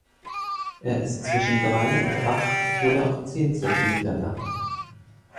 Er ist zwischen drei und acht oder auch zehn Zentimeter lang.